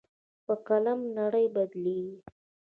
په قلم نړۍ بدلېږي.